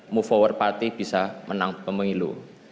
move our party bisa menang pemilu